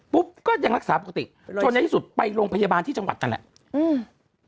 ก็ยังรักษาปกติจนในที่สุดไปโรงพยาบาลที่จังหวัดนั่นแหละอืม